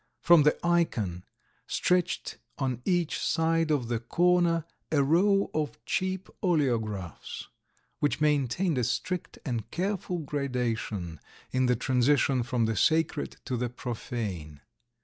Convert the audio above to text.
From the ikon stretched on each side of the corner a row of cheap oleographs, which maintained a strict and careful gradation in the transition from the sacred to the profane.